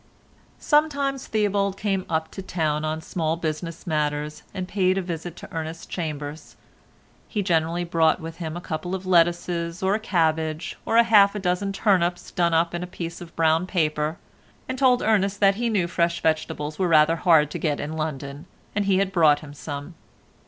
Sometimes Theobald came up to town on small business matters and paid a visit to Ernest's chambers; he generally brought with him a couple of lettuces, or a cabbage, or half a dozen turnips done up in a piece of brown paper, and told Ernest that he knew fresh vegetables were rather hard to get in London, and he had brought him some.